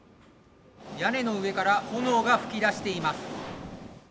屋根の上から炎が噴き出しています。